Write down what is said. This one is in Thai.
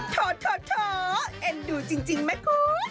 โถเอ็นดูจริงมั้ยครู